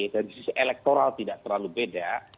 dari sisi elektoral tidak terlalu beda